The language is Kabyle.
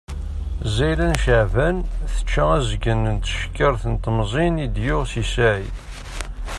Zzayla n Ceɛban, tečča azgen n tcekkaṛt n temẓin i d-yuɣ Si Saɛid.